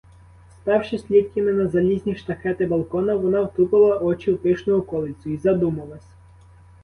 Спершись ліктями на залізні штахети балкона, вона втупила очі в пишну околицю й задумалась.